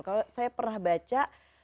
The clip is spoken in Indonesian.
kalau saya pernah baca